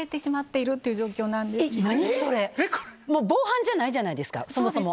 もう防犯じゃないじゃないですか、そもそも。